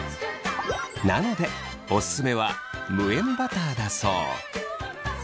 なのでオススメは無塩バターだそう。